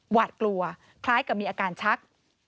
หวาดกลัวคล้ายกับมีอาการชัก